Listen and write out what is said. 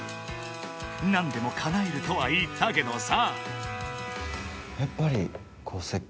［何でもかなえるとは言ったけどさ］